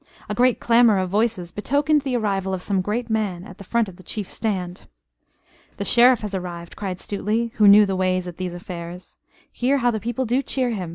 A great clamor of voices betokened the arrival of some great man at the front of the chief stand. "The Sheriff has arrived," cried Stuteley, who knew the ways at these affairs. "Hear how the people do cheer him!